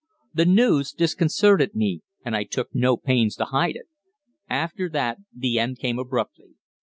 "The news disconcerted me, and I took no pains to hide it. After that the end came abruptly.